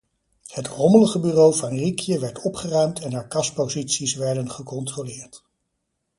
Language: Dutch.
Het rommelige bureau van Riekje werd opgeruimd en haar kasposities werden gecontroleerd.